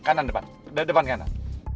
kanan depan depan kanan